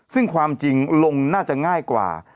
ซึ่งความจริงลงน่าจะง่ายกว่า